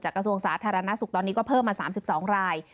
กระทรวงสาธารณสุขตอนนี้ก็เพิ่มมา๓๒ราย